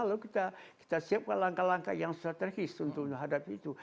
lalu kita siapkan langkah langkah yang strategis untuk menghadapi itu